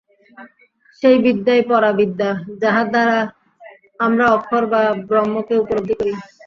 সেই বিদ্যাই পরা বিদ্যা, যাহা দ্বারা আমরা অক্ষর বা ব্রহ্মকে উপলব্ধি করি।